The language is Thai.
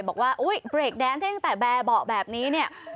บอกว่าอุ๊ยเปรกแดนซ์ตั้งแต่แบบนี้เนี่ย